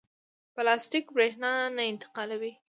پلاستیک برېښنا نه انتقالوي.